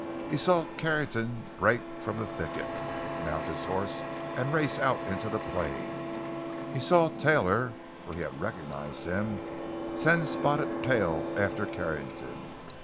He saw Carrington break from the thicket, mount his horse and race out into the plain; he saw Taylor—for he had recognized him—send Spotted Tail after Carrington.